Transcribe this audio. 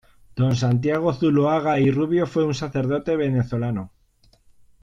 Don Santiago Zuloaga y Rubio fue un sacerdote venezolano.